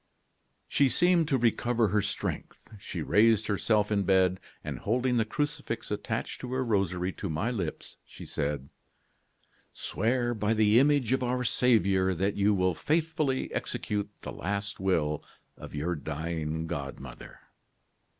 "She seemed to recover her strength. She raised herself in bed, and, holding the crucifix attached to her rosary to my lips, she said: "'Swear by the image of our Saviour, that you will faithfully execute the last will of your dying godmother.